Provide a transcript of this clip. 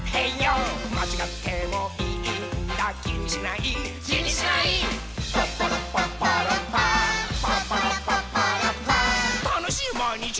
「まちがってもいいんだきにしない」「きにしないーー」「パッパらっぱパーラッパーパッパらっぱパーラッパー」「たのしいまいにち」